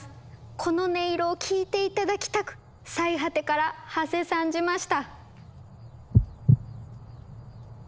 この音色を聞いて頂きたく最果てからはせ参じました。